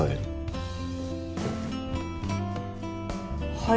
はい。